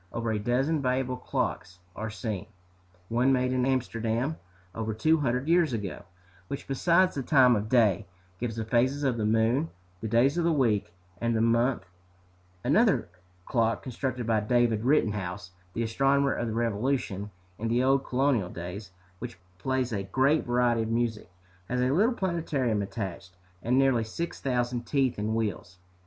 Over a dozen valuable clocks are seen, one made in Amsterdam over two hundred years ago, which, besides the time of day, gives the phases of the moon, the days of the week, and the month; another, a clock constructed by David Rittenhouse, the astronomer of the Revolution, in the old colonial days, which plays a great variety of music, has a little planetarium attached, and nearly six thousand teeth in wheels.